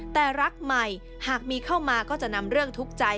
แต่รักใหม่หากมีเข้ามาก็จะนำเรื่องทุกข์ใจ